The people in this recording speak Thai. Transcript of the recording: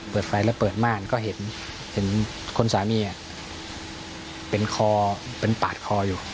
เปิดไฟแล้วเปิดม่านก็เห็นคนสามีเป็นคอเป็นปาดคออยู่